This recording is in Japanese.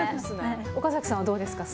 岡崎さんはどうですか。